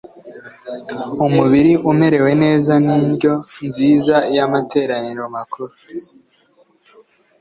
umubiri umererwa neza. Ni indyo nziza y’amateraniro makuru.